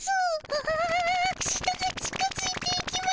あああしたが近づいていきますぅ。